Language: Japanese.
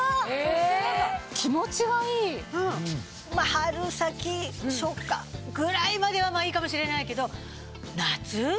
春先初夏ぐらいまではいいかもしれないけど。